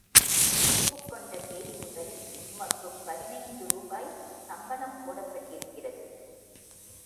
ஒப்புக்கொண்ட தேதிமுதல், உமக்குப் பதினைந்து ரூபாய் சம்பளம் போடப்பட்டிருக்கிறது.